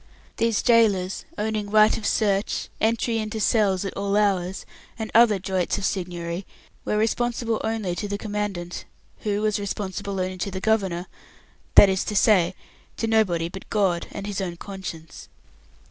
These gaolers owning right of search, entry into cells at all hours, and other droits of seigneury were responsible only to the Commandant, who was responsible only to the Governor, that is to say, to nobody but God and his own conscience.